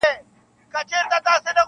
• له باغلیو څخه ډک سول گودامونه -